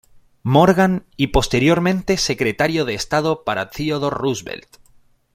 Morgan, y posteriormente secretario de estado para Theodore Roosevelt.